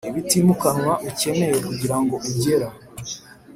ibitimukanwa ukeneye kugirango ugera